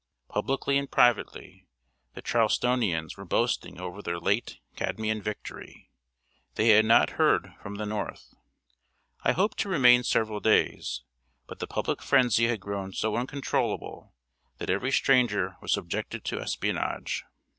Publicly and privately, the Charlestonians were boasting over their late Cadmean victory. They had not heard from the North. I hoped to remain several days, but the public frenzy had grown so uncontrollable, that every stranger was subjected to espionage.